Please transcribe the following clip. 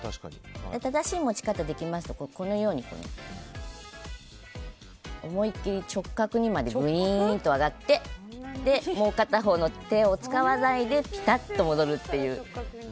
正しい持ち方ができますとこのように思い切り直角にまで上がってもう片方の手を使わないでピタッと戻るという。